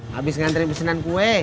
habis ngantri pesenan kue